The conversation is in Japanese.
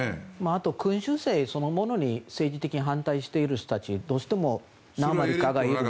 あと君主制そのものに政治的に反対している人がどうしても何割かいる。